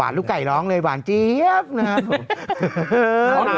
ลูกไก่ร้องเลยหวานเจี๊ยบนะครับ